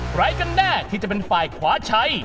ใครกันแน่ที่จะเป็นฝ่ายขวาใช้